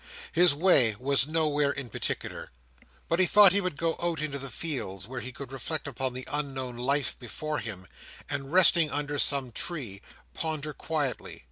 His way was nowhere in particular; but he thought he would go out into the fields, where he could reflect upon the unknown life before him, and resting under some tree, ponder quietly.